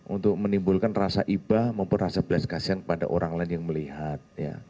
untuk menimbulkan rasa ibah maupun rasa belas kasihan kepada orang lain yang melihat